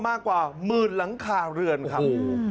มากกว่าหมื่นหลังคาเรือนครับ